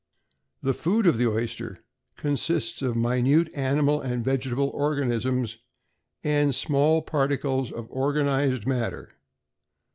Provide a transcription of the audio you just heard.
=The Food of the Oyster= consists of minute animal and vegetable organisms and small particles of organized matter.